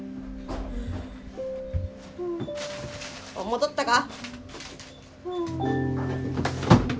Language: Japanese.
戻ったか？